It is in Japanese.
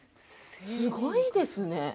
すごいですね。